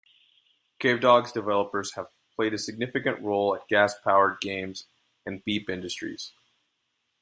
Cavedog's developers have played significant roles at Gas Powered Games and Beep Industries.